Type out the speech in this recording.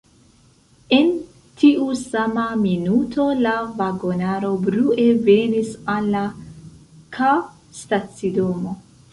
En tiu sama minuto la vagonaro brue venis al la K-a stacidomo.